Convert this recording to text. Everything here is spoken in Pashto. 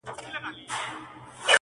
ستا څخه ډېر تـنگ.